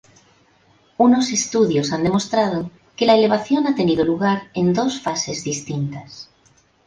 Unos estudios han demostrado que la elevación ha tenido lugar en dos fases distintas.